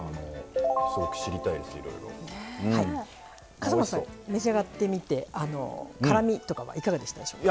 笠松さん召し上がってみて辛みとかはいかがでしたでしょうか？